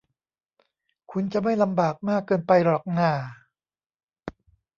คุณจะไม่ลำบากมากเกินไปหรอกน่า